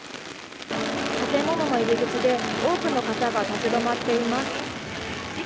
建物の入り口で、多くの方が立ち止まっています。